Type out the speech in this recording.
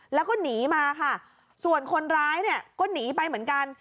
แล้วก็หนีมาค่ะส่วนคนร้ายเนี่ยก็หนีไปเหมือนกัน